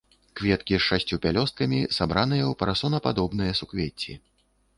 Кветкі з шасцю пялёсткамі, сабраныя ў парасонападобныя суквецці.